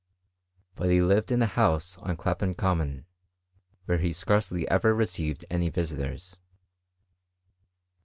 But he lived in a house on Clapham Common, where he scarcely ever received any visiters.